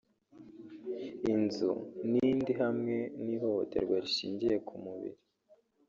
inzu n’indi hamwe n’ihohoterwa rishingiye ku mubiri